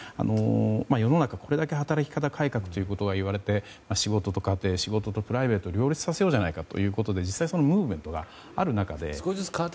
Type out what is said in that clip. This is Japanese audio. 世の中、これだけ働き方改革ということが言われて、仕事と家庭仕事とプライベートを両立させようじゃないかということで実際、そのムーブメントがある中で。